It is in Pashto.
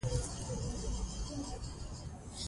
که تاسو ناروغ یا میندوار یاست، مشوره واخلئ.